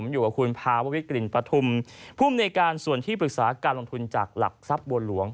อยู่กับคุณพรวัววิกริณพะทุ่มผู้อำนวยการส่วนที่ปรึกษาการลงทุนจากหลักทรัพย์บวลหลวง